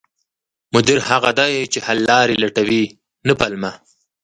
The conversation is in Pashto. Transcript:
مدیر هغه دی چې حل لارې لټوي، نه پلمه